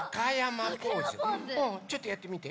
ちょっとやってみて？